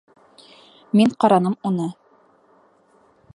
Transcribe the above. Мин ҡараным уны.